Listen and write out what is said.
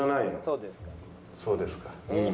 「そうですか」。